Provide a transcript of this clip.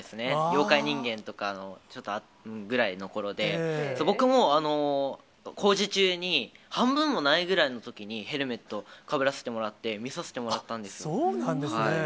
妖怪人間とかちょっとあとぐらいのころで、僕も工事中に、半分もないぐらいのときにヘルメットをかぶらせてもらって、そうなんですね。